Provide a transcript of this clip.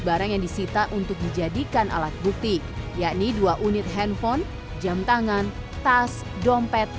barang yang disita untuk dijadikan alat bukti yakni dua unit handphone jam tangan tas dompet